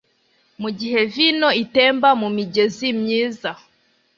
mugihe vino itemba mumigezi myiza